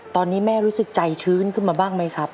ตอนนี้แม่รู้สึกใจชื้นขึ้นมาบ้างไหมครับ